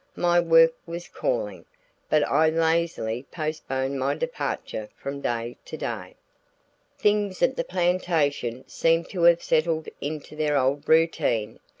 My work was calling, but I lazily postponed my departure from day to day. Things at the plantation seemed to have settled into their old routine.